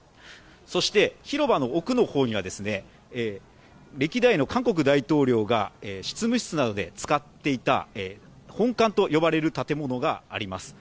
そして広場の奥の方には歴代の韓国大統領が執務室などで使っていた本館と呼ばれる建物があります。